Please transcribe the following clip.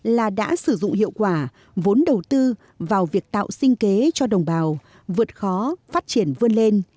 là đã sử dụng hiệu quả vốn đầu tư vào việc tạo sinh kế cho đồng bào vượt khó phát triển vươn lên